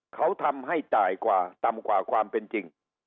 เขาทำให้ตายกว่าต่ำกว่าความเป็นจริง